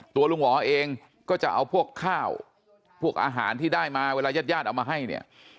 ตัวลุงหวอเองก็จะเอาพวกข้าวพวกอาหารที่ได้มาเวลายาดเอามาให้เนี่ย